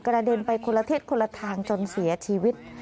กระเด็นไปคนละทิศคนละทางจนเสียชีวิต